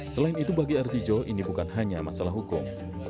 selain itu bagi artijo ini bukan hanya masalah hukum